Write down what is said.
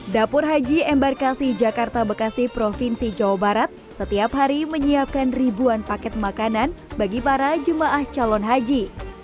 dapur haji embarkasi jakarta bekasi provinsi jawa barat setiap hari menyiapkan ribuan paket makanan bagi para jemaah calon haji